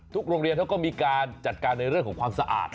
โรงเรียนเขาก็มีการจัดการในเรื่องของความสะอาด